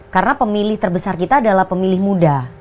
karena pemilih terbesar kita adalah pemilih muda